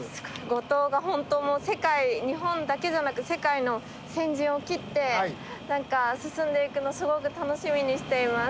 五島が本当もう日本だけじゃなく世界の先陣を切って何か進んでいくのすごく楽しみにしています。